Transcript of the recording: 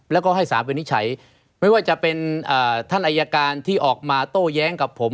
แล้วก็ให้สารวินิจฉัยไม่ว่าจะเป็นท่านอายการที่ออกมาโต้แย้งกับผม